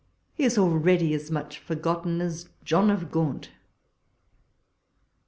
He is already as much forgotten as John of Gaunt.